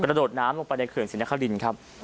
กระโดดน้ำลงไปในเขื่อนศรีนครับอืม